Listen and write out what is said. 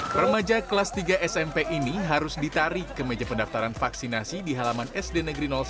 hai remaja kelas tiga smp ini harus ditarik ke meja pendaftaran vaksinasi di halaman sd negeri